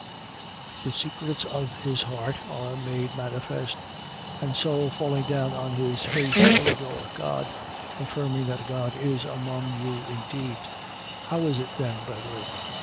14:25. The secrets of his heart are made manifest. And so, falling down on his face, he will adore God, affirming that God is among you indeed. 14:26. How is it then, brethren?